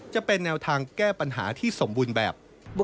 จะเป็นแนวทางแก้ปัญหาที่สมบูรณ์แบบ